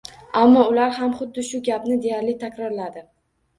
Ammo ular ham xuddi shu gapni deyarli takrorladi